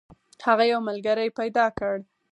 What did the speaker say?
هغه یو ملګری پیدا کړ.